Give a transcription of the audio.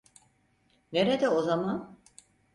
Nerede o zaman?